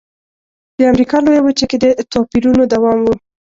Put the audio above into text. د امریکا لویه وچه کې د توپیرونو دوام و.